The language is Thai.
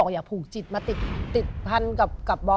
เขาไม่ไปค่ะ